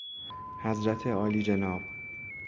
حضرت عالیجناب